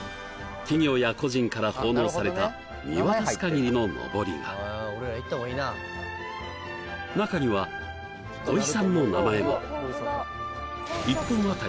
企業や個人から奉納された見渡すかぎりののぼりが中には土井さんの名前もあま